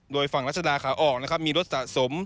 โดยฝั่งรัชดาขาออกนะครับมีรถสะสม